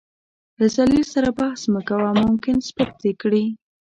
له ذليل سره بحث مه کوه ، ممکن سپک دې کړي .